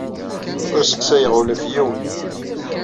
Ur sseqsayeɣ ula ɣef yiwen.